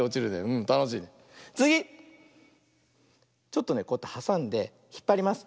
ちょっとねこうやってはさんでひっぱります。